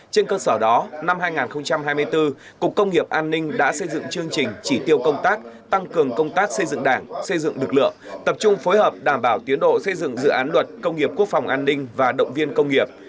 trên cơ sở đó năm hai nghìn hai mươi bốn cục công nghiệp an ninh đã xây dựng chương trình chỉ tiêu công tác tăng cường công tác xây dựng đảng xây dựng lực lượng tập trung phối hợp đảm bảo tiến độ xây dựng dự án luật công nghiệp quốc phòng an ninh và động viên công nghiệp